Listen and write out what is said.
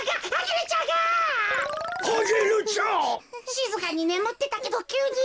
しずかにねむってたけどきゅうに。